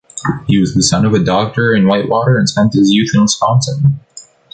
He was the son of a doctor in Whitewater and spent his youth in Wisconsin.